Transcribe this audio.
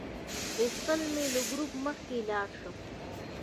غوښتل مې له ګروپ مخکې لاړ شم.